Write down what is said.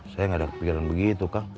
saya nggak ada kepikiran begitu kang